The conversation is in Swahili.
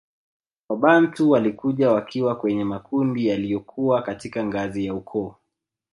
Wabantu walikuja wakiwa kwenye makundi yaliyokuwa katika ngazi ya ukoo